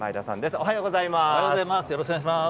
おはようございます。